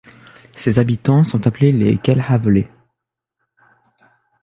Ses habitants sont appelés les Cailhavelais.